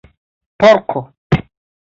porko